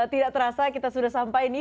tidak terasa kita sudah sampai nih